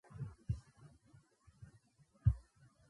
آمو سیند د افغانانو د تفریح یوه وسیله ده.